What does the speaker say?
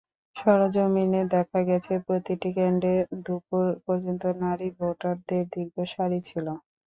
সরেজমিনে দেখা গেছে, প্রতিটি কেন্দ্রে দুপুর পর্যন্ত নারী ভোটারদের দীর্ঘ সারি ছিল।